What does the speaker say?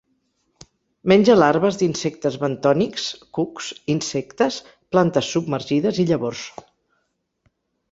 Menja larves d'insectes bentònics, cucs, insectes, plantes submergides i llavors.